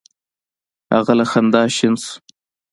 هغه له خندا شین شو: